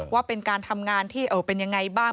ว่าเป็นการทำงานที่เป็นยังไงบ้าง